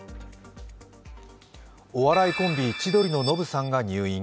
お笑いコンビ千鳥のノブさんが入院。